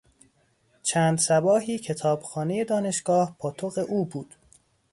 چند صباحی کتابخانهی دانشگاه پاتوق او بود.